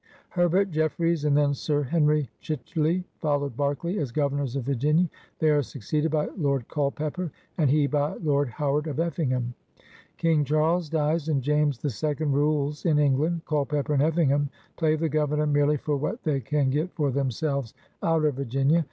Herbert JeflFreys and then Sir Henry Chicheley follow Berkeley as Governors of Virginia; they are succeeded by Lord Culpeper and he by Lord How ard of Effingham. King Charles dies and James the Second rules in England. Culpeper and Effing ham play the Governor merely for what they can get for themselves out of Virginia.